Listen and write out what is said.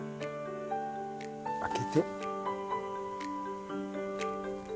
開けて？